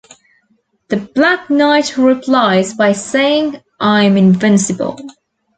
The Black Knight replies by saying, I'm invincible!